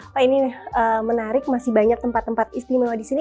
pak ini menarik masih banyak tempat tempat istimewa di sini